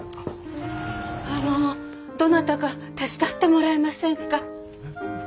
あのどなたか手伝ってもらえませんか？